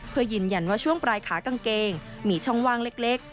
เพื่อยืนยันว่าช่วงปลายขากางเกงมีช่องว่างเล็ก